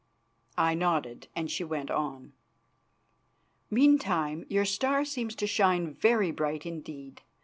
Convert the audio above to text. I nodded and she went on: "Meantime your star seems to shine very bright indeed.